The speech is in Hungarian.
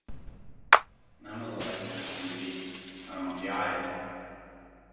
Nem az a legény, aki üti, hanem aki állja.